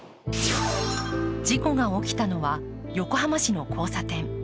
事故が起きたのは横浜市の交差点。